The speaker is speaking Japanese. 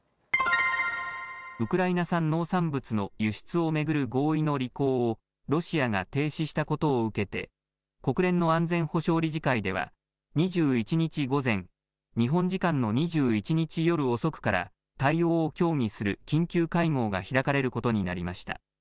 ウクライナ産農産物の輸出を巡る合意の履行をロシアが停止したことを受けて国連の安全保障理事会では２１日午前、日本時間の２１日夜遅くから対応を協議する緊急会合が開かれることになりました。